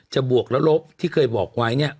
บวกและลบที่เคยบอกไว้เนี่ย